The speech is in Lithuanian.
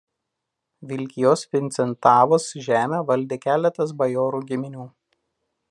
Vilkijos Vincentavos žemę valdė keletas bajorų giminių.